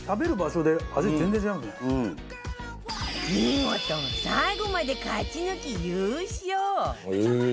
見事最後まで勝ち抜き優勝